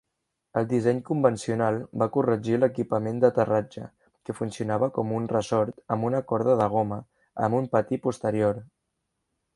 El disseny convencional va corregir l'equipament d'aterratge, que funcionava com un ressort amb una corda de goma, amb un patí posterior.